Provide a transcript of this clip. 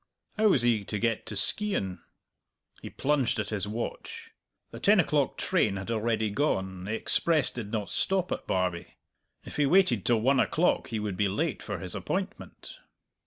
How was he to get to Skeighan? He plunged at his watch. The ten o'clock train had already gone, the express did not stop at Barbie; if he waited till one o'clock he would be late for his appointment.